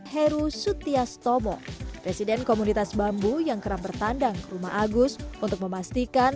heru sutias tomo presiden komunitas bambu yang kerap bertandang rumah agus untuk memastikan